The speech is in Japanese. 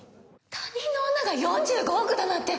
他人の女が４５億だなんて！